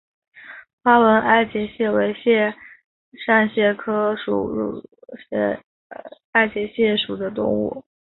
花纹爱洁蟹为扇蟹科熟若蟹亚科爱洁蟹属的动物。